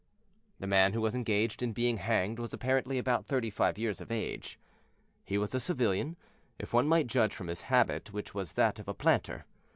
The man who was engaged in being hanged was apparently about thirty five years of age. He was a civilian, if one might judge from his habit, which was that of a planter.